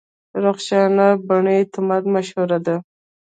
رخشان بني اعتماد مشهوره ده.